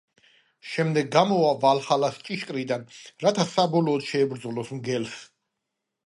შემდეგ გამოვა ვალჰალას ჭიშკრიდან, რათა საბოლოოდ შეებრძოლოს მგელს.